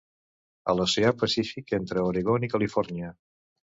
A l'Oceà Pacífic entre Oregon i Califòrnia.